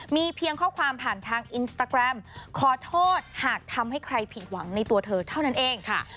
มีเพียงข้อความผ่านทางอินสตาแกรมขอโทษหากทำให้ใครผิดหวังในตัวเธอเท่านั้นเองค่ะ